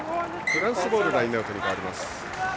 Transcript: フランスボールラインアウトに変わります。